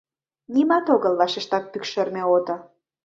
— «Нимат огыл, — вашешта пӱкшерме ото.